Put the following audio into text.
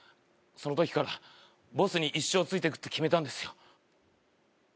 その時からボスに一生ついてくって決めたんですよ